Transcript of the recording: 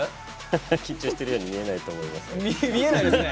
緊張してるように見えないと思います。